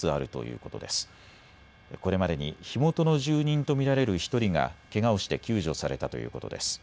これまでに火元の住人と見られる１人がけがをして救助されたということです。